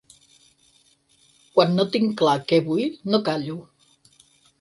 Quan no tinc clar què vull no callo.